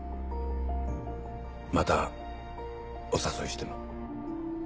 またお誘いしても？